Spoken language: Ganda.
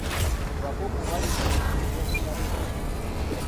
Abakungu balinyiridde eby'enfuna by'essomero.